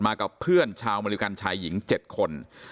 กับเพื่อนชาวอเมริกันชายหญิง๗คน